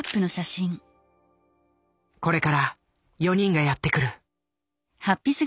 これから４人がやってくる。